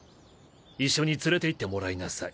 一緒に連れていってもらいなさい。